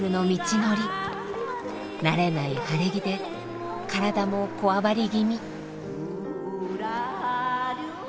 慣れない晴れ着で体もこわばり気味。